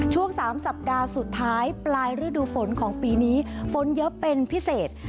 ช่วง๓สัปดาห์สุดท้ายปลายฤดูฝนของปีนี้ฝนเยอะเป็นพิเศษ